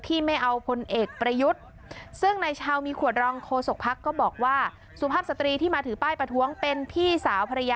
นี่ชูป้ายเลยข้อความว่า